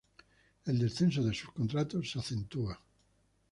El descenso de sus contratos se acentúa.